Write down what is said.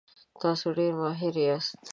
تاسو ډیر ماهر یاست.